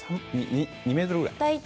２ｍぐらい？